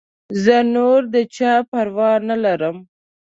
زه نور د چا پروا نه لرم.